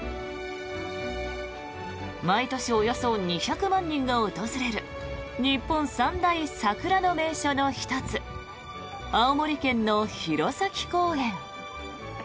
毎年およそ２００万人が訪れる日本三大・桜の名所の１つ青森県の弘前公園。